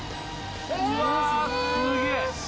うわすげぇ！